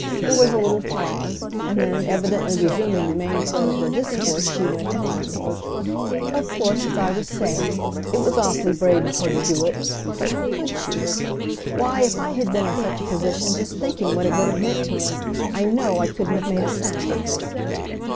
There was a little pause, and then, evidently resuming the main thread of her discourse she went on, "Of course, as I was saying, it was awfully brave of her to do it, but how could she! Why, if I had been in such a position just thinking what it would have meant to him, I know I couldn't have made a sound!"